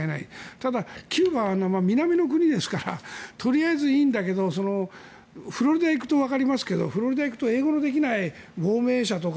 ただ、キューバは南の国ですからとりあえずいいんだけどフロリダへ行くとわかりますがフロリダへ行くと英語のできない亡命者とか。